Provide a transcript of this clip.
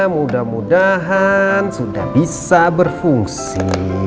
mudah mudahan sudah bisa berfungsi